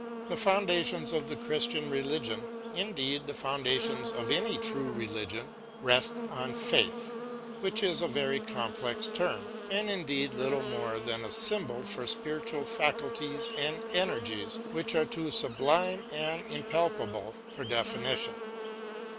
The foundations of the Christian religion — indeed, the foundations of any true religion — rest on faith, which is a very complex term, and indeed little more than a symbol for spiritual faculties and, energies which are too sublime and impalpable for definition.